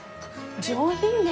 上品ね